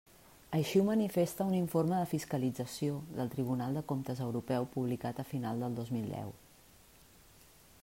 Així ho manifesta un informe de fiscalització del Tribunal de Comptes Europeu publicat a final del dos mil deu.